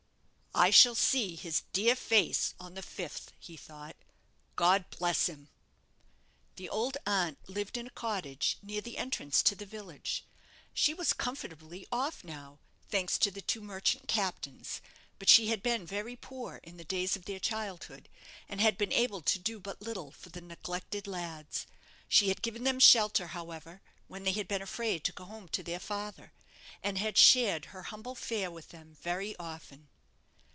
"I shall see his dear face on the fifth," he thought; "God bless him!" The old aunt lived in a cottage near the entrance to the village. She was comfortably off now thanks to the two merchant captains; but she had been very poor in the days of their childhood, and had been able to do but little for the neglected lads. She had given them shelter, however, when they had been afraid to go home to their father, and had shared her humble fare with them very often.